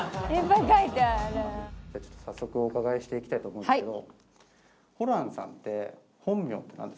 早速お伺いしていきたいと思うんですけど。